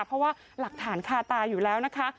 เพราะว่าหลักฐานคาตาอยู่แล้วนะคะ